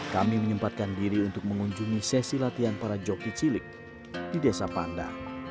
kami menyempatkan diri untuk mengunjungi sesi latihan para joki cilik di desa panda